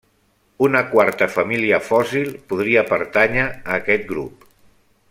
Una quarta família fòssil podria pertànyer a aquest grup.